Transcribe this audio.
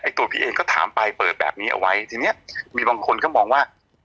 ตัวพี่เองก็ถามไปเปิดแบบนี้เอาไว้ทีเนี้ยมีบางคนก็มองว่า